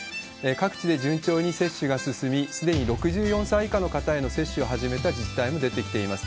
各地で順調に接種が進み、すでに６４歳以下の方への接種を始めた自治体も出てきています。